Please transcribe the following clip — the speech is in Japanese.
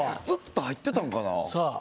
ずっと入ってたんかな。